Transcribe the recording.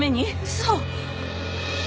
嘘！？